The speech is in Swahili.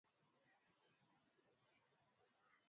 Makabila mengine yanayohusiana nao ni Wagisu